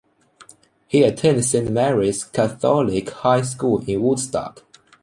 He attended Saint Mary's Catholic High School in Woodstock.